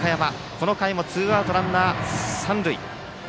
この回もツーアウトランナー、三塁。